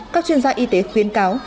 các chuyên gia y tế khuyên cáo